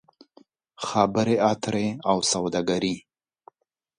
خبرې اترې او سوداګري